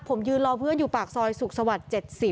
ผมยืนรอเพื่อนอยู่ปากซอยสุขสวรรค์๗๐